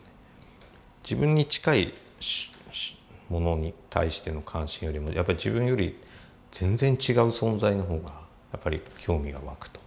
自分に近いものに対しての関心よりもやっぱり自分より全然違う存在の方がやっぱり興味は湧くと。